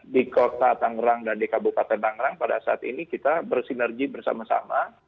di kota tangerang dan di kabupaten tangerang pada saat ini kita bersinergi bersama sama